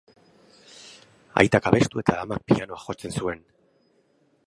Aitak abestu eta amak pianoa jotzen zuen.